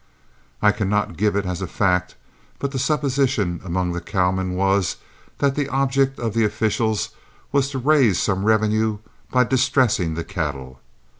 I cannot give it as a fact, but the supposition among the cowmen was that the object of the officials was to raise some revenue by distressing the cattle.